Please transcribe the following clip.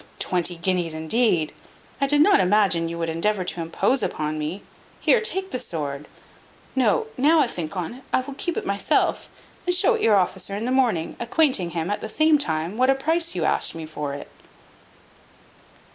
Twenty guineas, indeed! I did not imagine you would endeavour to impose upon me. Here, take the sword No, now I think on't, I will keep it myself, and show it your officer in the morning, acquainting him, at the same time, what a price you asked me for it."